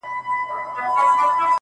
لکه کوچۍ پر ګودر مسته جګه غاړه ونه؛